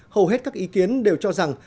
hầu hết các ý kiến đều cho rằng